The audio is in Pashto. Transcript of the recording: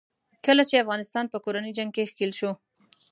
کله چې افغانستان په کورني جنګ کې ښکېل شو.